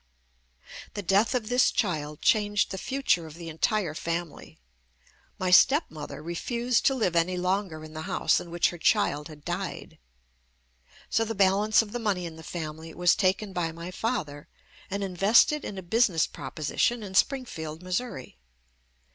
The death of this child changed the future of the entire family. My step mother refused to live any longer in the house in which her child had died. So the balance of the money in the family was taken by my father and in vested in a business proposition in Springfield, Missouri.